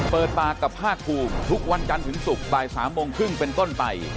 เปิดปากกับภาคภูมิทุกวันจันทร์ถึงศุกร์บ่าย๓โมงครึ่งเป็นต้นไป